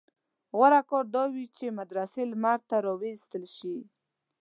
غوره کار دا وي چې مدرسې لمر ته راوایستل شي.